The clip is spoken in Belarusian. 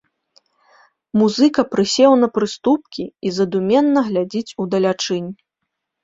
Музыка прысеў на прыступкі і задуменна глядзіць удалячынь.